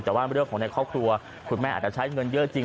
แต่ว่าเรื่องของในครอบครัวคุณแม่อาจจะใช้เงินเยอะจริง